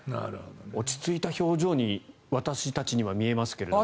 落ち着いた表情に私たちには見えますが。